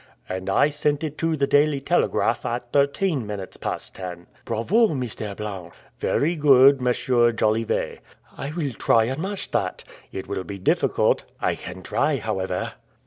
"And I sent it to the Daily Telegraph at thirteen minutes past ten." "Bravo, Mr. Blount!" "Very good, M. Jolivet." "I will try and match that!" "It will be difficult." "I can try, however."